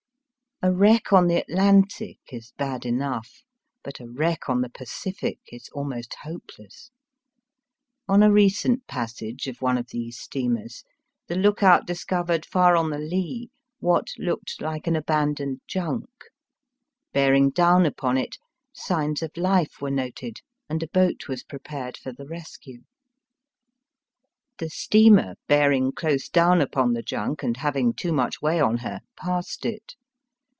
A wreck on the Atlantic is bad enough, but a wreck on the Pacific is almost hopeless. On a recent passage of one of these steamers the look out discovered far on the lee what looked like an abandoned junk. Bearing down upon it, signs of life were noted, and a boat was prepared for the rescue. The steamer bearing close down upon the junk and having too much way on her passed it.